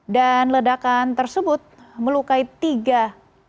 dan ledakan tersebut melukai tiga anggota